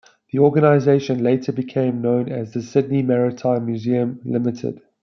The organisation later became known as the "Sydney Maritime Museum Ltd".